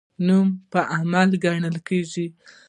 نوم په عمل ګټل کیږي